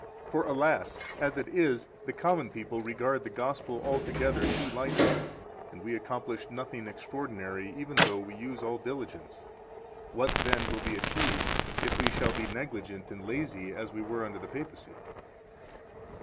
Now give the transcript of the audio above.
4 For, alas! as it is, the common people regard the Gospel altogether too lightly, and we accomplish nothing extraordinary even though we use all diligence. What, then, will be achieved if we shall be negligent and lazy as we were under the Papacy?